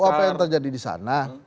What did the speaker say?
apa yang terjadi di sana